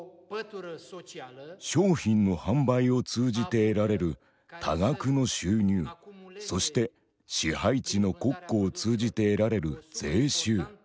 商品の販売を通じて得られる多額の収入そして支配地の国庫を通じて得られる税収。